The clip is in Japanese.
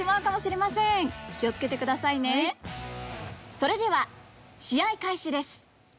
それでは試合開始です。